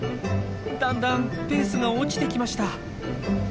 だんだんペースが落ちてきました。